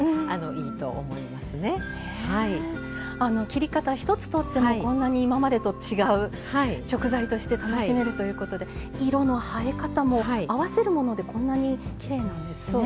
切り方ひとつとってもこんなに今までと違う食材として楽しめるということで色の映え方も合わせるものでこんなにきれいなんですね。